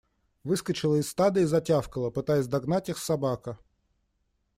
Выскочила из стада и затявкала, пытаясь догнать их, собака.